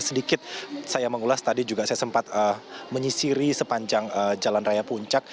sedikit saya mengulas tadi juga saya sempat menyisiri sepanjang jalan raya puncak